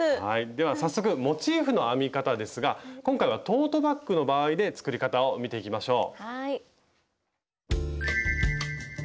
では早速モチーフの編み方ですが今回はトートバッグの場合で作り方を見ていきましょう。